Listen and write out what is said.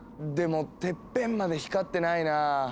でもてっぺんまで光ってないな。